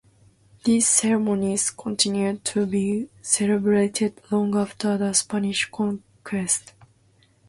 These ceremonies continued to be celebrated long after the Spanish conquest.